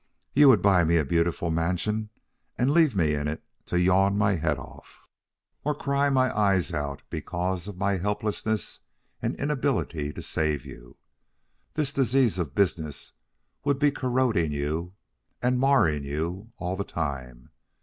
You would buy me a beautiful mansion and leave me in it to yawn my head off, or cry my eyes out because of my helplessness and inability to save you. This disease of business would be corroding you and marring you all the time.